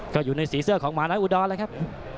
ก็อยู่ในสีเสื้อของหมาน้อยอุดรแล้วครับ